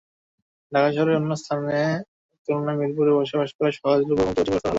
ঢাকা শহরের অন্যান্য স্থানের তুলনায় মিরপুরে বসবাস করা সহজলভ্য এবং যোগাযোগব্যবস্থা ভালো।